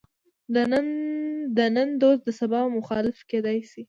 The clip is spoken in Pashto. د نن دوست د سبا مخالف کېدای شي.